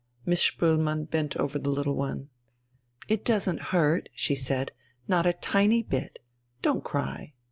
Miss Spoelmann bent over the little one. "It doesn't hurt," she said, "not a tiny bit. Don't cry."